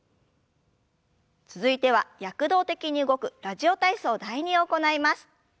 続いては躍動的に動く「ラジオ体操第２」を行います。